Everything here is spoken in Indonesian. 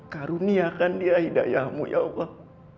karuniakan dia hidayahmu ya allah